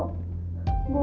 ibu kenapa bu